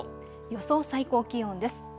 予想最高気温です。